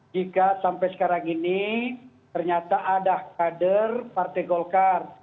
jika sampai sekarang ini ternyata ada kader partai golkar